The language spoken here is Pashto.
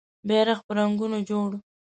بېرغ په رنګونو جوړ